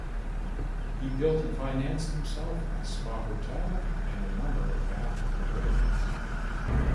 He built and financed himself a spa hotel and a number of bath pavilions.